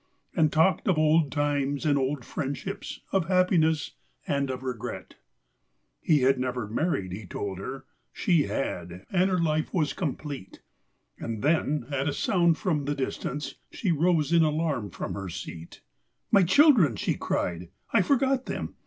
And talked of old times and old friend¬ ships, of happiness and of regret. He never had married, he told her—she had; and her life was complete, And then, at a sound from the distance, she rose in alarm from her seat— "My children!" she cried, ''I forgot them!